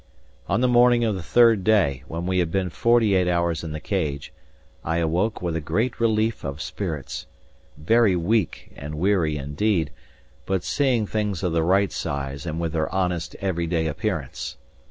On the morning of the third day, when we had been forty eight hours in the Cage, I awoke with a great relief of spirits, very weak and weary indeed, but seeing things of the right size and with their honest, everyday appearance.